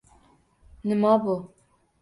Nima bu?